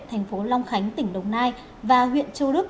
thành phố long khánh tỉnh đồng nai và huyện châu đức